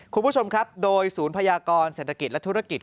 คุณผู้ชมครับโดยศูนย์พยากรเศรษฐกิจและธุรกิจ